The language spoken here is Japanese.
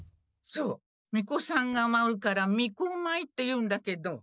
そうみこさんがまうからみこまいっていうんだけど。